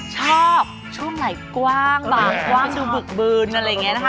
ชอบช่วงไหนกว้างบางกว้างดูบึกบืนอะไรอย่างนี้นะคะ